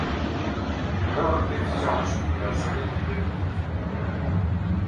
W Europie wciąż umiera zbyt wielu ludzi